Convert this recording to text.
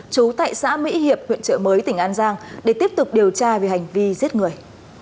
trú tại xã mỹ hiệp huyện trợ mới tỉnh an giang để tiếp tục điều tra về hành vi giết người